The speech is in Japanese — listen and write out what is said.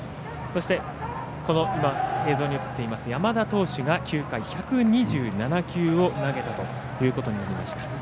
そして山田投手が９回１２７球を投げたということになりました。